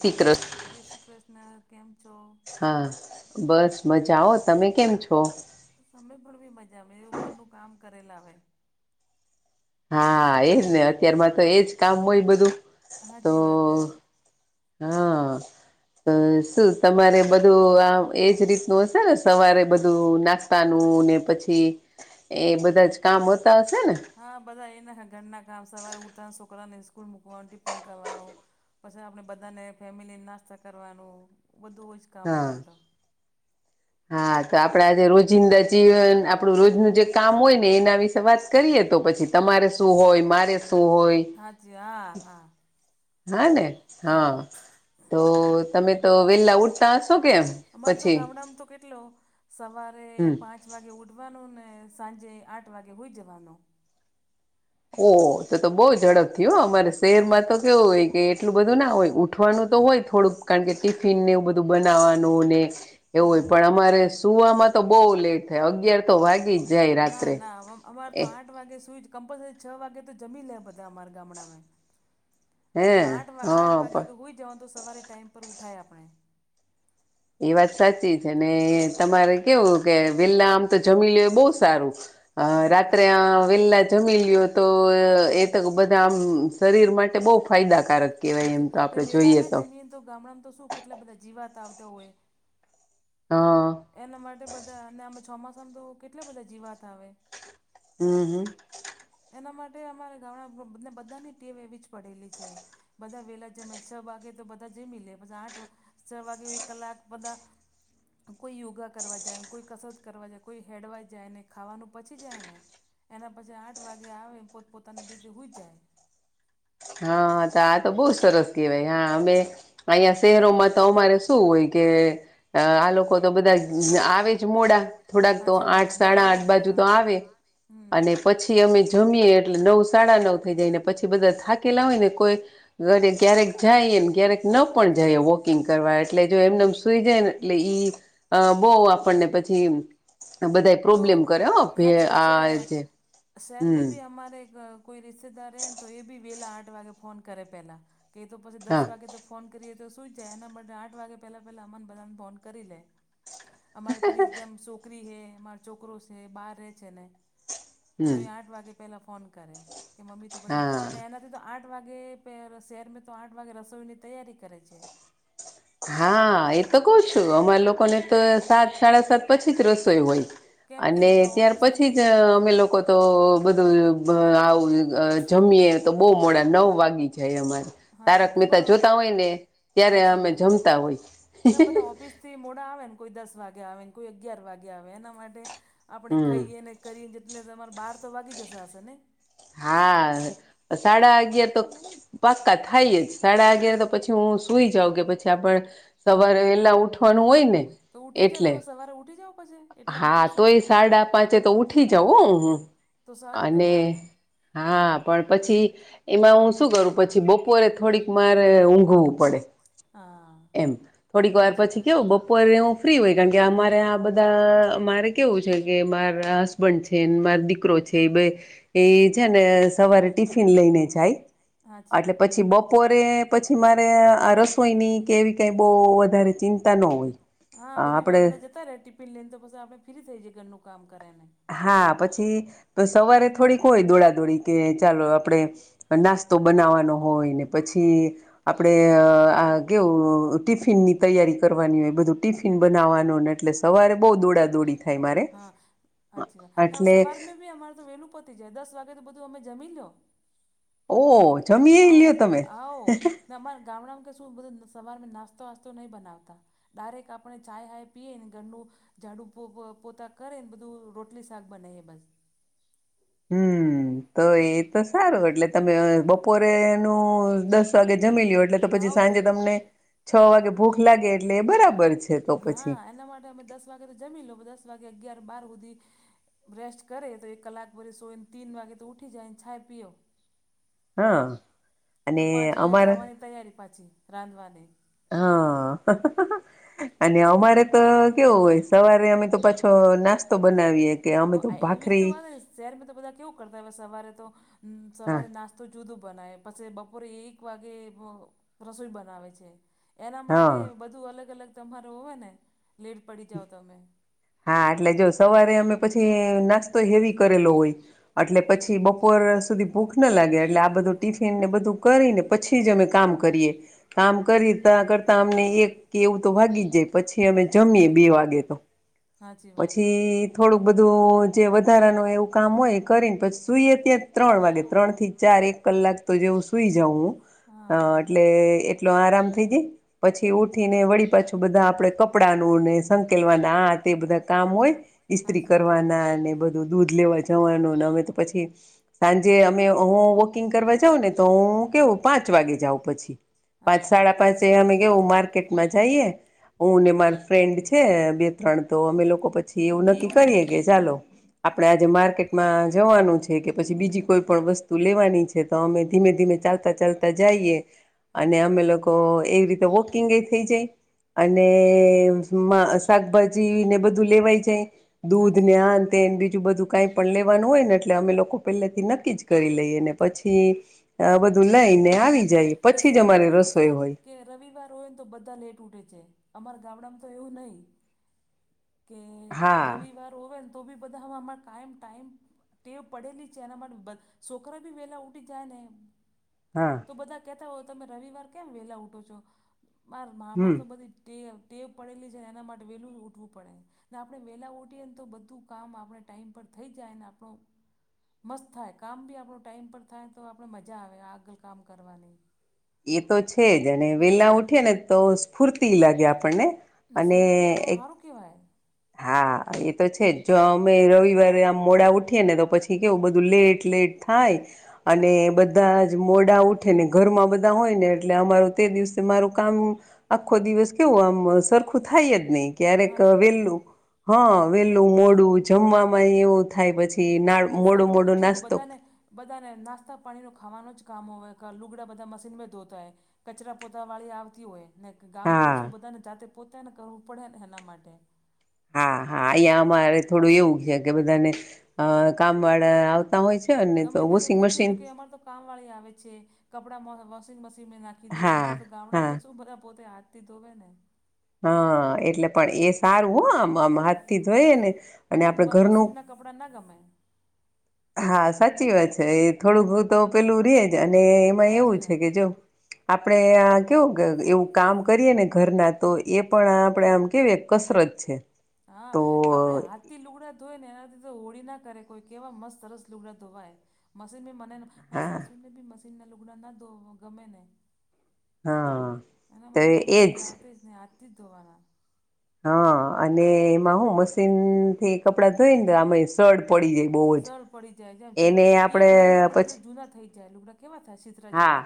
થીકરત. જય શ્રી કૃષ્ણ કેમ છો? હા બસ મજા હો તમે કેમ છો? અમે પણ બી મજા એવું ઘરનું કામ કરેલા હવે. હા એજ ને અત્યારમાં તો એજ કામ હોય બધું તો હાચી વાત હે હા શું તમારે બધું આ એજ રીત નું હસે ને સવારે બધું નાસ્તાનું ને પછી એ બધું બધા જ કામ હોતા હશે ને. હા બધા એના ઘરના કામ સવારે ઉઠતા છોકરાઓને સ્કૂલ મૂકવાનું ટિપ્પણ કરવાનું. પછી આપણે બધાને ફેમિલીને નાસ્તા કરવાનું બધું હોય જ કામ હા આપડે તો. હા તો આપડા જેે રોજિંદા જીવન આપડું રોજનું જે કામ હોય ને એના વિશે વાત કરીએ તો પછી તમારે શું હોય મારે શું હોય. હાચી હા હા હા ને હા તો તમે તો વેલા ઉઠતા હશો કેમ અમાર તો પછી ગામડામાં તો કેટલો સવારે હમ પાંચ વાગે ઉઠવાનું ને સાંજે આઠ વાગે હોઈ જવાનો. ઓહ તો તો બહુ ઝડપથી હો અમારે હા. શહેરમાં તો કેવું હોય કે એટલું બધું ના હોય ઉઠવાનું તો હોય થોડુંક કારણ કે ટિફિનને એવું બધું બનાવવાનું ને એવું હા. હોય પણ અમારે સુવામાં તો બહુ લેટ થાય અગિયાર તો વાગી જ જાય ના રાત્રે ના અમાર તો એ આઠ આઠ વાગે સુઈ જ કમ્પલસરી છ વાગે તો જમી લે બધા અમારા ગામડામે. હે ના આઠ હા આઠ વાગે પણ તો હોય જવાનું તો સવારે ટાઈમ પર ઉઠાય આપણે. એ વાત સાચી છે ને તમારે કેવું કે વેલ્લા આમ તો જમીલ્યો એ બઉ સારું અ હા. રાત્રે આ વેલ્લા જમીલ્યો તો એ તો બધા આમ શરીર માટે બહુ ફાયદાકારક કહેવાય એમ તો આપડે જોઈએ તો. ઈમ તો ગામડામાં તો શું કેટલા બધા જીવાત આવતા હોય. હહહ. એના માટે બધા અને અમે ચોમાસામાં તો કેટલા બધા જીવાત આવે. હમ્મ હમ્મ. એના માટે અમારા ગામડા ને બધાની ટીમ એવી જ પડેલી છે. બધા વેલા જમે છ વાગે તો બધા જમી લે પછી આઠ છ વાગે એક કલાક બધા કોઈ યોગા કરવા જાય ને કોઈ કસરત કરવા જાય કોઈ હેડવા જાય ને ખાવાનું પચી જાય ને. એના પછી આઠ વાગે આવે પોત પોતાની રીતે હુઈ જાય. હા તો આ તો બહુ જ સરસ કહેવાય હા અમે આહિયાં શહેરોમાં તો અમારે શું હોય કે આ લોકો તો બધા આવે જ મોડા થોડાક તો સાચી વાત આઠ સાડા નોકરી આઠ બાજુ હા તો આવે. હમ અને પછી અમે જમીએ એટલે નવ સાડા નવ થઈ જાય ને પછી બધા થાકેલા હોય ને કોઈ ઘરે ક્યારેક જાય ને ક્યારેક ન પણ જાય વોકિંગ કરવા એટલે જો એમનેમ સુઈ જાય ને એટલે ઈ અ બો આપણને પછી ઈમ. તો હાચીવાત છે આ જે શહેર મે હમ ભી હમારે ગ. કોઈ રિસતેદાર હે તો એ બી વેલા આઠ વાગે ફોન કરે પેલા કે તો પછી દસ હા વાગે તો ફોન કરીએ તો શું જાય એનાં માટે આઠ વાગે પેલાં પેલા અમન બધાને ફોન કરી લે. અમારે પેલી જેમ સોકરી હે અમાર ચોકરો છે બહાર રહે છે ને. તો હમ એ આઠ વાગે પહેલા ફોન કરે કે મમ્મી તો પછે હા ને એના ની તો આઠ વાગે પેર શેરમે તો આઠ વાગે રસોઈ ની તૈયારી કરે છે. હા એ તો કઉ છું અમારા લોકો ને તો સાત સાડા સાત પછી જ રસોઈ હોય કેમ કે અને બધા ત્યાર પછી ઓફિસથી જ મો અમે લોકો હા તો બધું આવું જમીએ. તો બહુ મોડા નવ વાગી જાય અમારે હાચી તારક મહેતા જોતા હોય ને ત્યારે અમે જમતા હોય તમે બધા ઓફિસ થી મોડા આવે ન કોઈ દસ વાગે આવે ન કોઈ અગિયાર વાગે આવે એના માટે આપણે હમ ખઈએ ને કરીએ જેટલે તમારે બાર તો વાગી જશે હશે ને. હા સાડા અગિયાર તો પાક્કા થાય જ સાડા અગિયાર તો પછી હું હુઈ જઉ કે પછી આપણ સવારે વેલ વેલા ઉઠવાનું હોય ને તો ઉઠી જ એટલે તમે સવારે ઉઠી જાવ પછી એટલા હા મોડા સુવો તો એ સાડા પાંચે તો ઉ ઉઠી જવ હ હું. તો સારું કેવાય. અને હા પણ પછી એમાં હું શું કરું પછી બપોરે થોડીક મારે ઊંઘવું પડે. હા એમ થોડીક વાર સાચી પછી વાત કેવું બપ પોરે હું ફ્રી હોય કાકે અમારે આ બધા અમારે કેવું છે કે મારા બ છે માર દીકરો છે એ બે એ છે ને સવારે ટિફિન લઈને જાય. સાચી અટલે વાત પછી બપોરે પછી મારે આ રસોઈની કેવી કાય બહુ વધારે ચિંતા ન હોય. હા બધી આપણે બધા જતા રહે ટિફિન લઈને તો પછી આપણે ફ્રી થઈ જઈએ ઘરનું કામ કરે ને. હા પછી તો સવારે થોડીક હોય દોડાદોડી કે ચાલો આપડે નાસ્તો બનાવવાનો હોય ને પછી આપડે આ કેવું ટિફિનની તૈયારી કરવાની હોય બધું ટિફિન ટિફિન બનાવવાનુંને એટલે સવારે બહુ દોડા દોડી થાય મારે હાચી વાત ના એટલે સવાર મે બી અમારે તો વેલું પતી જાય દસ વાગે તો બધું અમે જમી લો. ઓ જમી એ આવો લ્યો તમે આવો. અમારા ગામડામાં કે શું બધું સવાર મે નાસ્તો વાસ્તો નહીં બનાવતા ડાયરેક્ટ આપણે ચ હાય પીએ ને ઘરનું ઝાડુ પો પો પોત. તા કરે ને બધું રોટલી શાક બને બસ. હમ. તો એ તો સારું એટલે તમે બપોરે નું દસ વાગે જમી લો એટલે તો પછી આવો સાંજે જમે તમને છ વાગે ભૂખ લાગે એટલે એ બરાબર છે. તો પછી હા એના માટે અમે દસ વાગે તો જમી લો દસ વાગે અગિયાર બાર હુધી. રેસ્ટ કરે તો એક કલાક ભરી સોય ને તીન વાગે તો ઉઠી જાય ચાય પિઓ. હા અને તો પાંચ વાગે અમારા ખાવાની તૈયારી પાછી રાંધવાને. હા અને અમારે તો કેવું હોય સવારે અમે તો પાછો નાસ્તો બનાવીએ. કે અમે તો હા એવીજ તો ભાખરી વાત શહેરમાં તો બધા કેવું કરતા હય સવારે તો હા સવારે નાસ તો જુદું બનાવે પછી બપોરે એક વાગે રસોઈ બનાવે છે. એના માટે હા બધું અલગ અલગ તમારો હોય ને લેટ પડી જાઓ તમે. હા એટલે જો સવારે અમે પછી નાસ્તો હેવી કરેલો હોય. એટલે પછી બપોર સુધી ભૂખ ના લાગે એટલે આ બધું ટિફિન ને બધું કરીને પછી જ અમે કામ કરીએ કામ એવું કરીતા કરતા અમને એક કે એવું તો વાગી જ જાય પછી અમે જમીએે બે વાગે તો હાચી વાત પછી થોડુંક બધું જે વધારાનું એવું કામ હોય કરીને પછી સુઈએ ત્યાં ત્રણ વાગે ત્રણ થી ચાર એક કલાક તો જેવું સુઈ જાઉં હું હા એટલે એટલો આરામ થઈ જાય પછી ઉઠી ને વળી પાછું બધા આપડે કપડા નુંને સંકેલવાના આ તે બધા કામ હોય આ તે બધા કામ હોય ઈસ્ત્રી હાચી વાત. કરવાના અને બધ દૂધ લેવા જવાનુંને હવે તો પછી સાંજે અમે હું વોકિંગ કરવા જાઉં ને તો હું કેવું પાંચ વાગે જાઉં પછી પાંચ હા. સાડા પાંચે અમે કેઉ માર્કેટ મા જાઈએ હું ને માર ફ્રેન્ડ છે બે ત્રણ તો અમે લોકો પછી એવું નક્કી કરીએે કે ચાલો આપડે હાચી આજે વાત. માર્કેટ માં જવાનું છે કે પછી બીજી કોઈ પણ વસ્તુ લેવાની છે તો અમે ધીમે ધીમે ચાલતા ચાલ તા જાઈએ અને હાચી અમે વાત. લોકો એવી રીતે વોકિંગ એ થઈ જાય અને મા શાકભાજી ને બધું લેવાય જાય દૂધ હાચી ને વાત. આ તે બીજું બધું કાંઈ પણ લેવાનું હોય ને એટલે અમે લોકો પહેલાથી નક્કી જ કરી લઈએ ને પછી બધું લઈને આવી જઈએ ન પછી જ શહેર મે અમારે ક તો રસોઈ શું હોય કે રવિવાર હોયને તો બધા લેટ ઉઠે છે અમાર ગામડામાં તો એવું નહી કે હા રવિવાર હોવે ને તો બી બધા હવામા કાયમ ટાઈમ ટેવ પડેલી છે એના માટે છોકરા બી વહેલા ઉઠી જાય ને હા તો બધા કહેતા હોય તમે રવિવાર કેમ વહેલા ઉઠો છો માર હમ મામા તો બધી ટેવ ટેવ પડેલી છેને એના માટે વેલું ઉઠવું પડે ને આપણે વેલા ઉઠીએને તો બધું કામ આપણે ટાઈમ પર થઈ જાયને આપણો મસ્ત થાય કામ બી આપણો ટાઈમ પર થાય તો આપણે મજા આવે આ આગળ કામ કરવાની એ તો છે જ અને ને વેલા ઉઠી ને તો સ્ફૂર્તિ લાગે આપણને ને અને શરીર બી આપણું એક હારું કેહેવાય હા એ તો છે જો અમે રવિવારે આમ મોડા ઉઠીએ ને તો પછી કેવું બધું લેટ લેટ થાય અને બધા જ મોડા ઉઠે ને ઘરમાં બધા હોય ને એટલે અમારું તે દિવસે મારું કામ આખો દિવસ કેવો આમ સરખું થાય જ નહી ક્યારેક હાચી વાત. વેલું હા વેલું મોડું જમવામાંય એવું થાય પછી ના મોડો શહેર મે મોડો કથું નાસ્તો બધા ને બધાને નાસ્તા પાણીનો ખાવાનું જ કામ હોય લુગડા બધા મશીનમાં ધોતા હોય કચરા પોતા વાળી આવતી હોય ને ગામે હા તો શું બધાને જાતે પોતે ને કરવું પડે ને એના માટે. હા હા અહીં અમારે થોડું એવું છે કે બધાને અ કામ વાળા આવતા હોય છે. અને ગમે તો તેને વોશિંગ પૂછે તો મશીન કે અમાર તો કામવાળી આવે છે કપડાં વહ વોશિંગ મશીનને નાખી દઈએ હા અમારા તો ગામડામાં હા તો શું બધા પોતે હા થે ઘોવે ને હા એટલે પણ એ સારું હો આમ આમ હાથથી જોઈને અને આપડે ઘરનું કપડા ના ગમે હા સાચી વાત છે એ થોડુંક ઘ તો પેલું રેજ અને એમાં હાચી એવું છે વાત. કે જો આપડે કેવું કે એવું કામ કરીએ ને ઘરના તો એ પણ આપડે આમ કેવી કસરત છે. હા તો આપણે હાથ થી લુગડા ધોય ને એનાથી તો હોળી ના કરે કોઈ કેવા મસ્ત સરસ લુગડા ધોવાય મશીન મને માં હા સાસુને બી મશીનના લુગડા ના ધો ગમે ને હા એના તો મારામાં મશીન એજ લાવતી જ નહી હાજ થી જ ધોવાના હા અને એમાં હું મશીન થી કપડાં ધોઈ ને તો આમાં સડ પડી જાય. બહુ જ સળ પડી જાય જેમ એને એક આપણે મહિના પછી સુધી જૂના થઈ જાય લુગડા કેવા થાશે? હા,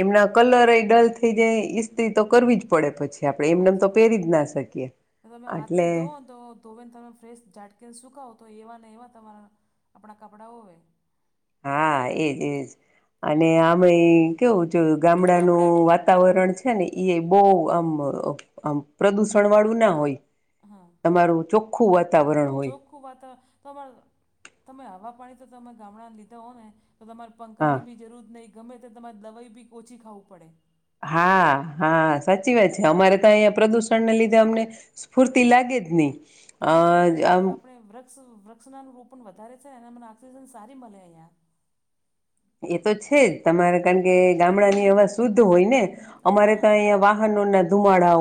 એમના કલર એ ડલ થઈ જાય ઇસ્ત્રી તો કરવી જ પડે પછી. કે આપણે એમનેમ તો હાચી વાત. પહેરી જ ના શકીએ તમે હાથથી આટલે ધોવો ને તો ધોવેને તમે ફ્રેશ ઝાટકીને સુકાવો તો એવા ને એવા તમારા આપણાં કપડા હોય. હા, એ જ એ જ અને આમય ઈ કેવું જો ગામડાનું વાતાવરણ છે છે ને ઈય બઉ આમ આમ પ્રદુષણ વાળું ના હોય. હા. તમારું ચોખ્ખું વાતાવરણ હોય. ખુ વાતા તમાર તમે હવા પાણી તો તમે ગામડા લીધા હો ને તો તમાર હા પંખાની બી જરૂર નઈ, ગમે તે તમારે દવાઈ બી ઓછી ખાવું પડે. હા, હા સાચી વાત છે. અમારે તો અહીયાં પ્રદુષણને લીધે અમને સ્ફૂર્તિ લાગે જ ની. કેમ કે એમ આપણે વૃક્ષ વૃક્ષનાનું રોપણ વધારે છે અને મને ઓઑક્સિજન સારી મલે અહીંયા. એ તો છે જ તમારે કારણ કે ગામડાની અવાજ શુદ્ધ હોય ને. અમારે તો હા અહિયાં વાહનોને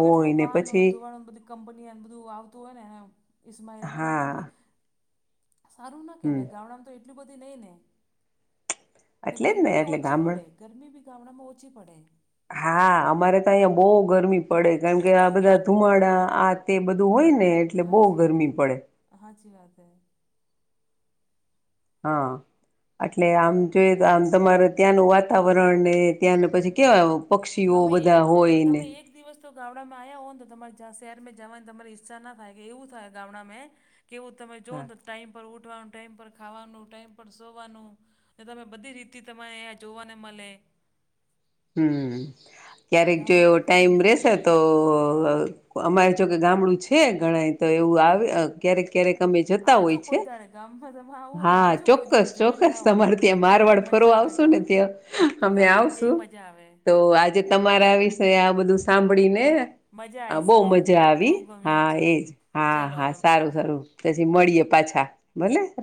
કેટલું વાહનો ધોવાણ બધી કંપની એમ બધું આવતું હોયને એણે ઈસ્માઈલ એના માટે હા આપને સારું ના હમ કેવાય ગામડામાં તો એટલું બધું નઈ ને. ને એટલે જ ગરમી બી એટલે ઓછી ગામડ પડે ગરમી બી ગામડામાં ઓછી પડે. હા, અમારે તો અહિયાં બઉ ગરમી પડે જેમ કે આ બધા ધુમાડા આ તે બધું હોય ને એટલે બહુ હાચી વાત, ગરમી પડે હાચી વાત હે. હન. એટલે આમ જોઈ તો આમ તમારે ત્યાંનું વાતાવરણને ત્યાંનું પછી કેવા આવ પક્ષીઓ તમે બધા એક હોયને. તમે એક દિવસ તો ગામડામાં આયા હોય ન તો તમાર શહેરમાં જા શહેર મે જાવાન તમાર ઈચ્છા ના થાય કે એવું થાય ગામડામાં હે. કેવું તમે હા જોઓને તો ટાઈઇમ પર ઉઠવાનું ટાઈમ પર ખાવાનું, ટાઈમ પર સોવાનું અને તમે બધી રીતી તમાર યાં જોવાને મલે. હમ ક્યારેક જો એવો ગામડામાં તો ટાઈમ મજા આવે રેશે તો અમારે જોકે ગામડું છે ઘણાય તો એવું આવે અ ક્યારેક ક્યારેક તમે જતા હોય આવજો છે. કોઈ દાડે ગામમાં તમે આવો તો હા, આવજો કોઈ ચોક્કસ દાડે જોઈને ચોક્કસ જાઓ તમાર કે ત્યાં કેવી મારવાડ મજા ફરવા આવે આવશું ને અમે આવશું. જાવે. તો આજે તમાર આ વિશે આ બધું સાંભળીને મજા અ આવી છે બઉ બહુ મજા બહુ આવી. ગમ્યું હા, છે એ જ હા ચલો હા હવે સારું મૂકીએ સારું. પછી મળીયે પાછા, ભલે.